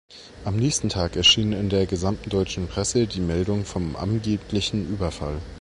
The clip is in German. Am nächsten Tag erschien in der gesamten deutschen Presse die Meldung vom angeblichen Überfall.